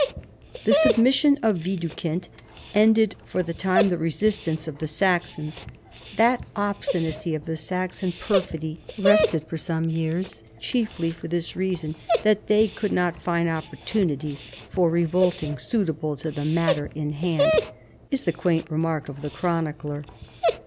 The submission of Widukind ended for the time the resistance of the Saxons. " That obstinacy of the Saxon perfidy rested for some years, chiefly for this reason, that they could not find opportunities for revolting suitable to the matter in hand," is the quaint remark of the chronicler.